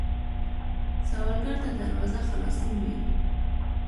سوالګر ته دروازه خلاصون وي